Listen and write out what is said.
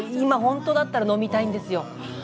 本当だったら飲みたいんですよ。